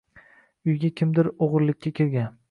Uyga kimdir o’g’irlikka kirgan